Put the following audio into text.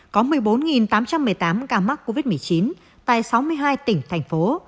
có một mươi bốn tám trăm một mươi tám ca mắc covid một mươi chín tại sáu mươi hai tỉnh thành phố